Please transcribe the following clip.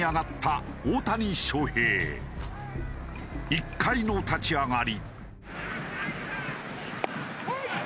１回の立ち上がり。